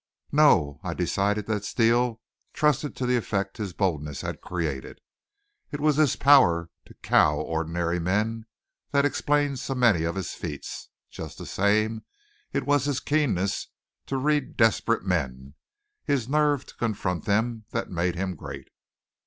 No I decided that Steele trusted to the effect his boldness had created. It was this power to cow ordinary men that explained so many of his feats; just the same it was his keenness to read desperate men, his nerve to confront them, that made him great.